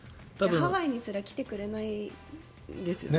ハワイにすら来てくれないんですよね？